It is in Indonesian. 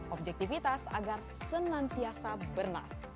objektivitas agar senantiasa bernas